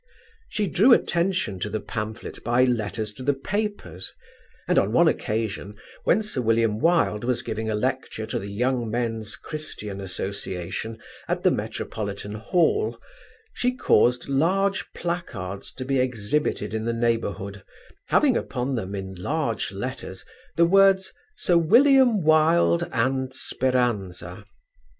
She drew attention to the pamphlet by letters to the papers, and on one occasion, when Sir William Wilde was giving a lecture to the Young Men's Christian Association at the Metropolitan Hall, she caused large placards to be exhibited in the neighbourhood having upon them in large letters the words "Sir William Wilde and Speranza."